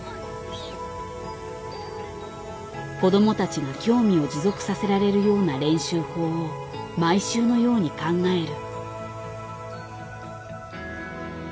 子どもたちが興味を持続させられるような練習法を毎週のように考える。